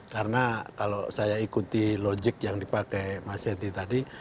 karena kalau saya ikuti logik yang dipakai mas henty tadi